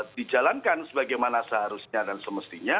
dijalankan sebagaimana seharusnya dan semestinya